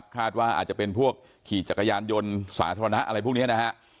คาดว่าอาจจะเป็นพวกขี่จักรยานยนต์สาธารณะอะไรพวกนี้นะฮะ